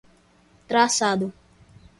traçado